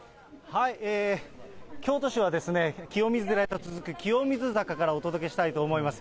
京都市は、清水寺へと続く清水坂からお届けしたいと思います。